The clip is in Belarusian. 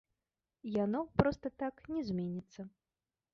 Яно проста так не зменіцца.